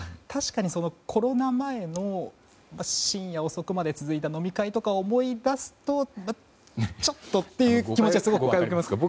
確かに、コロナ前の深夜遅くまで続いた飲み会とかを思い出すとちょっとという気持ちはあります。